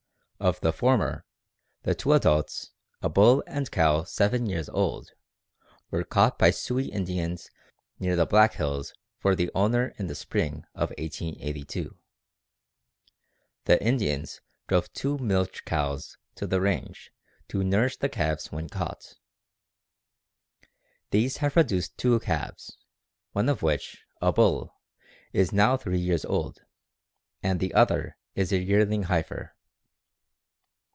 Of the former, the two adults, a bull and cow seven years old, were caught by Sioux Indians near the Black Hills for the owner in the spring of 1882. The Indians drove two milch cows to the range to nourish the calves when caught. These have produced two calves, one of which, a bull, is now three years old, and the other is a yearling heifer.